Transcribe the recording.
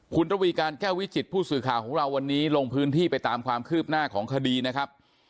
คุณระวีการแก้ววิจิตผู้สื่อข่าวของเราวันนี้ลงพื้นที่ไปตามความคืบหน้าของคดีนะครับ